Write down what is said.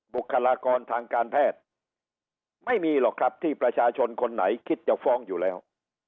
บุคลากรทางการแพทย์ไม่มีหรอกครับที่ประชาชนคนไหนคิดจะฟ้องอยู่แล้ว